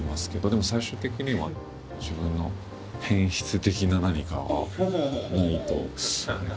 でも最終的には自分の偏執的な何かはないとあれかなと。